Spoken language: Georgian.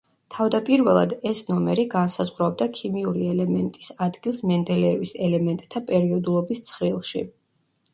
თავდაპირველად, ეს ნომერი განსაზღვრავდა ქიმიური ელემენტის ადგილს მენდელეევის ელემენტთა პერიოდულობის ცხრილში.